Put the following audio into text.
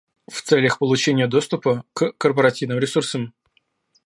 В целях получения доступа к корпоративным ресурсам